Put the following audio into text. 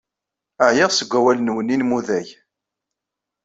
Ɛyiɣ seg wawalen-nwen inmudag.